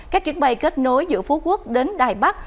các chuyến bay kết nối giữa phú quốc đến đài bắc